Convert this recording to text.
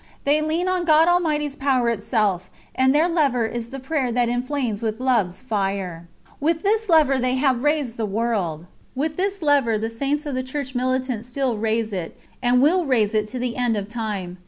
They lean on God Almighty's power itself and their lever is the prayer that inflames with love's fire. With this lever they have raised the world with this lever the Saints of the Church Militant still raise it, and will raise it to the end of time.